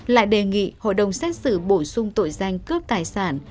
lại đề nghị hội đồng xét xử bổ sung tội danh cướp tài sản